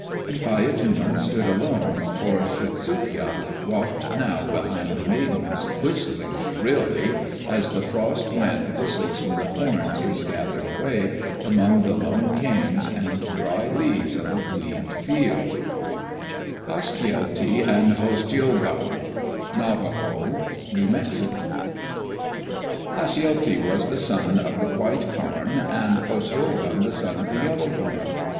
And Paiyatuma stood alone, for Shutsukya walked now behind the Maidens, whistling shrilly, as the frost wind whistles when the corn is gathered away, among the lone canes and dry leaves of a gleaned field. (7) Dew drops. Hasjelti and Hostjoghon Navajo (New Mexico) Hasjelti was the son of the white corn, and Hostjoghon the son of the yellow corn.